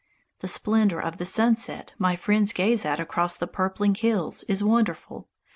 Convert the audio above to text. The splendour of the sunset my friends gaze at across the purpling hills is wonderful.